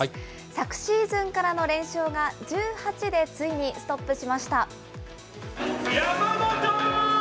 昨シーズンからの連勝が１８でついにストップしました。